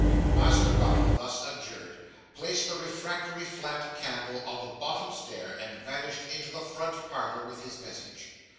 Master Bardell, thus adjured, placed the refractory flat candle on the bottom stair, and vanished into the front parlour with his message.